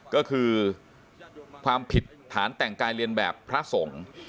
ก็คือความผิดฐานแต่งกายเรียนแบบพระสงฆ์